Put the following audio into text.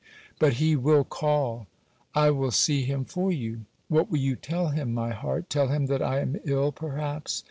'But he will call.' 'I will see him for you.' 'What will you tell him, my heart,—tell him that I am ill, perhaps?